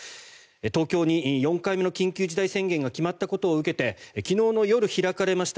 東京に４回目の緊急事態宣言が決まったことを受けて昨日の夜開かれました